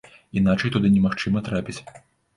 Іначай туды немагчыма трапіць.